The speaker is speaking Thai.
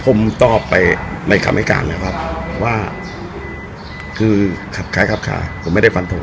ผมตอบไปในคำให้การนะครับว่าคือครับคล้ายครับคล้าผมไม่ได้ฟันโทร